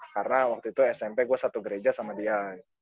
karena waktu itu smp gue satu gereja sama dia